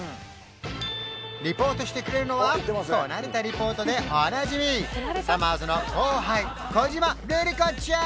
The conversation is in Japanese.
リポートしてくれるのはこなれたリポートでおなじみさまぁずの後輩小島瑠璃子ちゃん！